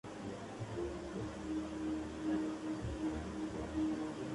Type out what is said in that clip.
Su relación con Mariano Fortuny profundizó ese cambio hacia pinturas más luminosas e impresionistas.